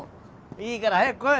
いいから早く来い！